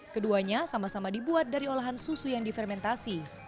keduanya sama sama dibuat dari olahan susu yang difermentasi